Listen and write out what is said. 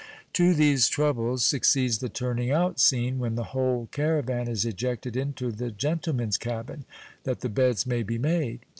To these troubles succeeds the turning out scene, when the whole caravan is ejected into the gentlemen's cabin, that the beds may be made.